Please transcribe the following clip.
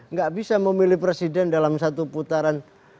nggak bisa memilih presiden dalam satu putaran